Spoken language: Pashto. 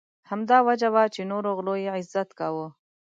همدا وجه وه چې نورو غلو یې عزت کاوه.